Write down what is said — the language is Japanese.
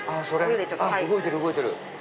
動いてる動いてる！